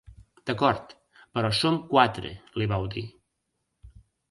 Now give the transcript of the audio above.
D'acord, però som quatre –li vau dir–.